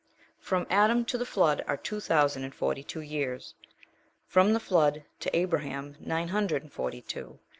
4, 5. From Adam to the flood, are two thousand and forty two years. From the flood of Abraham, nine hundred and forty two.